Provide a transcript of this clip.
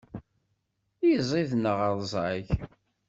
Iziḍ neɣ rẓag?